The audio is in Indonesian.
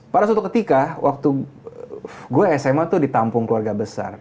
pada suatu ketika waktu gue sma tuh ditampung keluarga besar